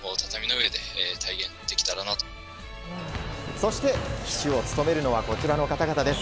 そして、旗手を務めるのはこちらの方々です。